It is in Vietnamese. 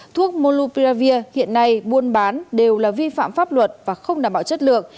thuốc molupravir hiện nay buôn bán đều là vi phạm pháp luật và không đảm bảo chất lượng